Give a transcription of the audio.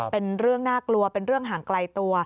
เป็นเรื่องน่ากลัวเป็นเรื่องห่างไกลตัว